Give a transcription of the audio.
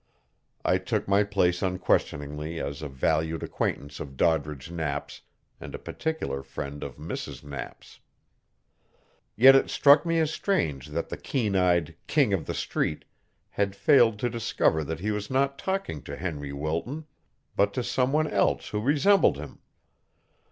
I took my place unquestioningly as a valued acquaintance of Doddridge Knapp's and a particular friend of Mrs. Knapp's. Yet it struck me as strange that the keen eyed King of the Street had failed to discover that he was not talking to Henry Wilton, but to some one else who resembled him.